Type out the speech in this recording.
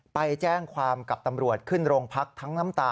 ไปแจ้งความกับตำรวจขึ้นโรงพักทั้งน้ำตา